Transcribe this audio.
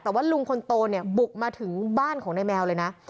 แต่ว่าลุงคนโตเนี่ยบุกมาถึงบ้านของนายแมวเลยนะ